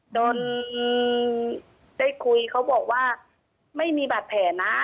โดนได้คุยเขาบอกว่าไม่มีบาดแผลนะ